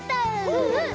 うんうん！